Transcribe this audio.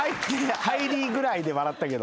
入りぐらいで笑ったけど。